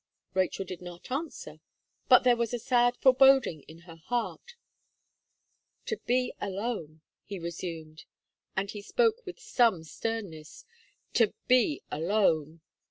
Rachel did not answer; but there was a sad foreboding in her heart. "To be alone," he resumed; and he spoke with some sternness, "to be alone."